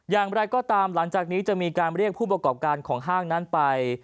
อย่างไรก็ตามหลังจากนี้จะมีการเรียกผู้ประกอบการของห้างนั้นไป